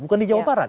bukan di jawa barat